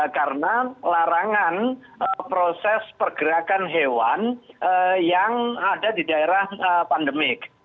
karena larangan proses pergerakan hewan yang ada di daerah pandemik